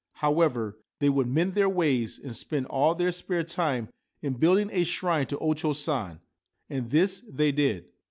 However, they would mend their ways, and spend all their spare time in building a shrine to O Cho San ; and this they did.